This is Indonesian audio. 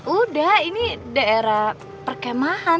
udah ini daerah perkemahan